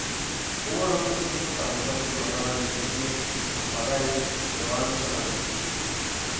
Hubo en otros tiempos abundantes bandadas de cisnes, y papagayos pero han desaparecido.